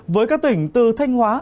với các tỉnh từ thanh hóa